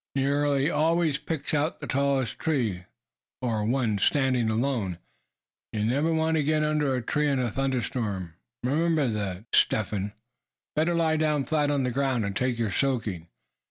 "Nearly always picks out the tallest tree, or one standing alone. You never want to get under a tree in a thunderstorm, remember that, Step Hen. Better lie down flat on the ground, and take your soaking."